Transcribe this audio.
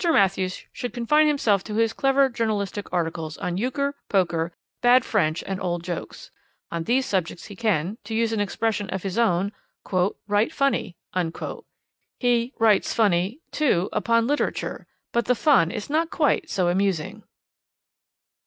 Matthews should confine himself to his clever journalistic articles on Euchre, Poker, bad French and old jokes. On these subjects he can, to use an expression of his own, 'write funny.' He 'writes funny,' too, upon literature, but the fun is not quite so amusing.